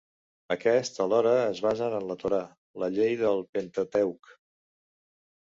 Aquests alhora es basen en la Torà, la llei del Pentateuc.